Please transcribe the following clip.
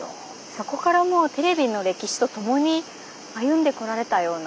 そこからもうテレビの歴史とともに歩んでこられたような。